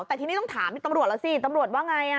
แต่ที่นี่ต้องถามตำรวจเราสิตำรวจว่าง่าย